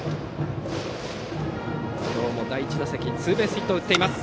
今日も第１打席にツーベースヒットを打っています。